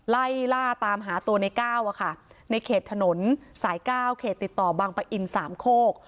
ไล่ล่าตามหาตัวในก้าวในเขตถนนสาย๙เขตติดต่อบางปะอินสามโคก